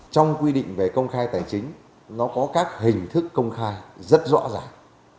trong quy định về công khai tài chính nó có các hình thức công khai rất rõ ràng